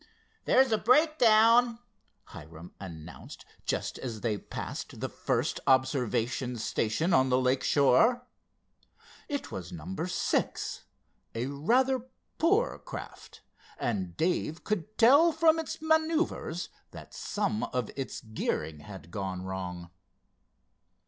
"There's a breakdown!" Hiram announced, just as they passed the first observation station on the lake shore. It was number six, a rather poor craft, and Dave could tell from its maneuvers that some of its gearing had gone wrong.